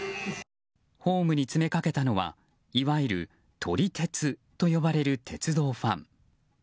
ホームに詰めかけたのはいわゆる撮り鉄と呼ばれる鉄道ファン。